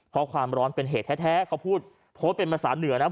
เพราะความร้อนเป็นเหตุแท้เขาพูดโพสต์เป็นภาษาเหนือนะ